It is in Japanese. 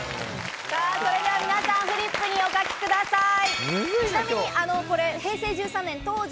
それでは皆さんフリップにお書きください。